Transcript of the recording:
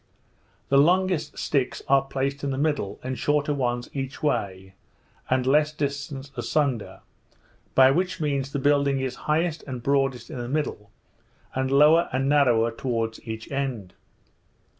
The longest sticks are placed in the middle, and shorter ones each way, and a less distance asunder, by which means the building is highest and broadest in the middle, and lower and narrower towards each end.